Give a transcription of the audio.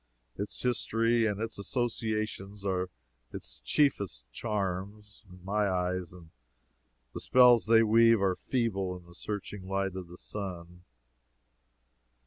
Its history and its associations are its chiefest charm, in any eyes, and the spells they weave are feeble in the searching light of the sun.